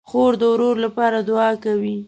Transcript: خور د ورور لپاره دعا کوي.